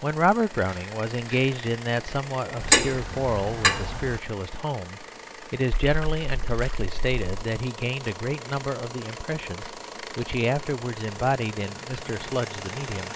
When Robert Browning was engaged in that somewhat obscure quarrel with the spiritualist Home, it is generally and correctly stated that he gained a great number of the impressions which he afterwards embodied in "Mr. Sludge the Medium."